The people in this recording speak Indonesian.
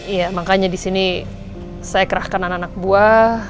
ya makanya disini saya kerahkan anak anak buah